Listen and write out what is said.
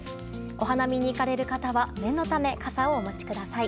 お花見に行かれる方は念のため傘をお持ちください。